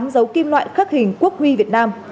tám dấu kim loại khắc hình quốc huy việt nam